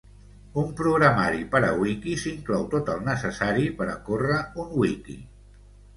Un programari per a wikis inclou tot el necessari per a córrer un wiki.